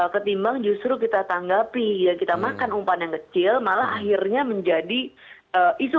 ketimbang justru kita tanggapi ya kita makan umpan yang kecil malah akhirnya menjadi isu